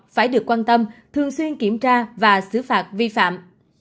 phải được quan tâm thường xuyên kiểm tra và xử phạt vi phạm